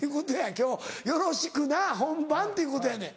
「今日よろしくな本番」っていうことやねん。